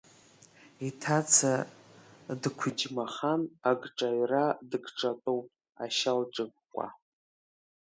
Иҭаца дқәџьмахан, агҿаҩра дыгҿатәоуп, ашьа лҿыкәкәа.